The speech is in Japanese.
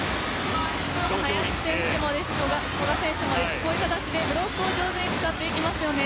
林選手も古賀選手もブロックを上手に使っていきますよね。